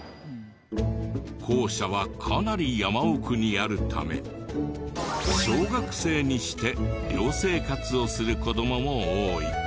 校舎はかなり山奥にあるため小学生にして寮生活をする子どもも多い。